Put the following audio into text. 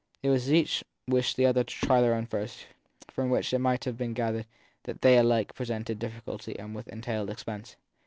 It was as if each wished the other to try her own first ; from which it might have been gathered that they alike presented difficulty and even entailed expense.